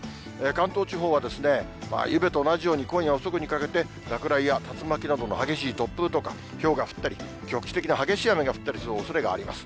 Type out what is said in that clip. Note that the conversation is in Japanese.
関東地方は、ゆうべと同じように今夜遅くにかけて、落雷や竜巻などの激しい突風とか、ひょうが降ったり、局地的に激しい雨が降ったりするおそれがあります。